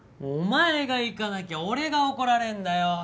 お前が行かなきゃ俺が怒られんだよ！